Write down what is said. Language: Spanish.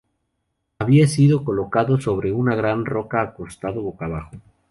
Había sido colocado sobre una gran roca acostado boca abajo.